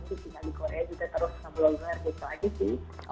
saya tinggal di korea juga terus ke blogger gitu aja sih